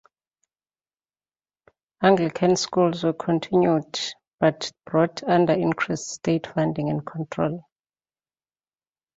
Anglican schools were continued, but brought under increased state funding and control.